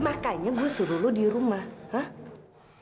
makanya gue suruh lo di rumah